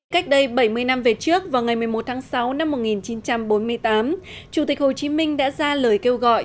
cách đây bảy mươi năm về trước vào ngày một mươi một tháng sáu năm một nghìn chín trăm bốn mươi tám chủ tịch hồ chí minh đã ra lời kêu gọi